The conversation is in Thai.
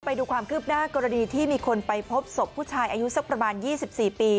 ไปดูความคืบหน้ากรณีที่มีคนไปพบศพผู้ชายอายุสักประมาณ๒๔ปี